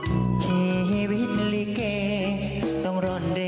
ก่อนที่จะก่อเหตุนี้นะฮะไปดูนะฮะสิ่งที่เขาได้ทิ้งเอาไว้นะครับ